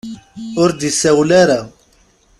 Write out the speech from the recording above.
Ur d-isawel ara.